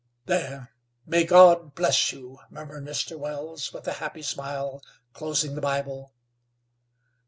"There! May God bless you!" murmured Mr. Wells, with a happy smile, closing the Bible.